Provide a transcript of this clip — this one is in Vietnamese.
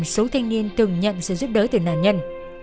số thanh niên từng nhận sự giúp đỡ từ nạn nhân